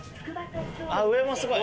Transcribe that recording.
上もすごい。